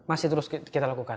masih terus kita lakukan